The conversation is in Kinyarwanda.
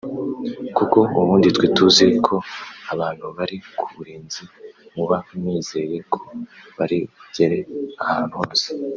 kuko ubundi twe tuzi ko abantu bari ku burinzi muba mwizeye ko bari bugere ahantu hose